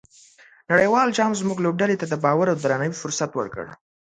نړیوال جام زموږ لوبډلې ته د باور او درناوي فرصت ورکړ.